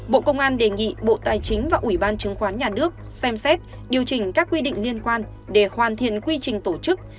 bộ công an đề nghị bộ tài chính và ủy ban chứng khoán nhà nước xem xét điều chỉnh các quy định liên quan để hoàn thiện quy trình tổ chức